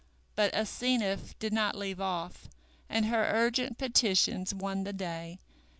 But Asenath did not leave off, and her urgent petitions won the day.